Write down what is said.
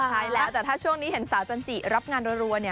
ใช่แล้วแต่ถ้าเจ้าสาวจันจิรับงานรวด